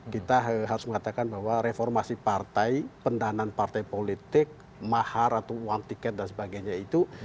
kita harus mengatakan bahwa reformasi partai pendanaan partai politik mahar atau uang tiket dan sebagainya itu